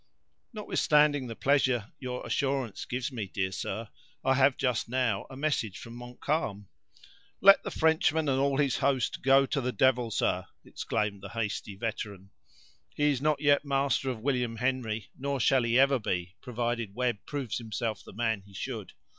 "Notwithstanding the pleasure your assurance gives me, dear sir, I have just now, a message from Montcalm—" "Let the Frenchman and all his host go to the devil, sir!" exclaimed the hasty veteran. "He is not yet master of William Henry, nor shall he ever be, provided Webb proves himself the man he should.